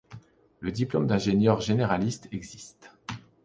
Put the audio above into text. Le diplôme d'ingénieur généraliste existe.